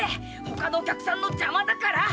他のお客さんの邪魔だから。